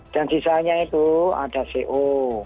dan sisanya itu ada co